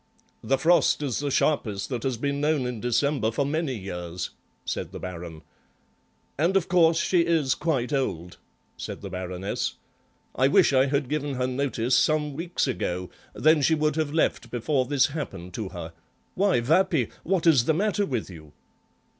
"The frost is the sharpest that has been known in December for many years," said the Baron. "And, of course, she is quite old," said the Baroness; "I wish I had given her notice some weeks ago, then she would have left before this happened to her. Why, Wappi, what is the matter with you?"